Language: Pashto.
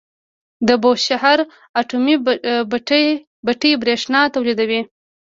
د بوشهر اټومي بټۍ بریښنا تولیدوي.